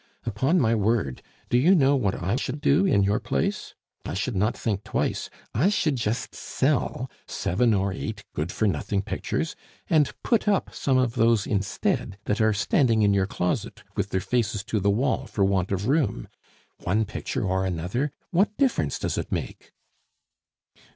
Upon my word, do you know what I should do in your place? I should not think twice, I should just sell seven or eight good for nothing pictures and put up some of those instead that are standing in your closet with their faces to the wall for want of room. One picture or another, what difference does it make?"